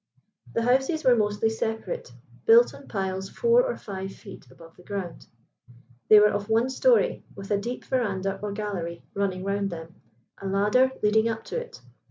The houses were mostly separate, built on piles four or five feet above the ground. They were of one storey, with a deep verandah or gallery running round them, a ladder leading up to it.